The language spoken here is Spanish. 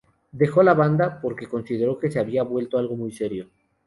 Dejó la banda porque consideró que se había vuelto algo muy serio.